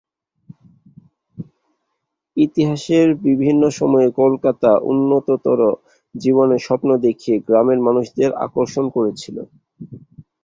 ইতিহাসে বিভিন্ন সময়ে কলকাতা উন্নততর জীবনের স্বপ্ন দেখিয়ে গ্রামের মানুষদের আকর্ষণ করেছিল।